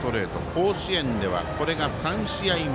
甲子園では、これが３試合目。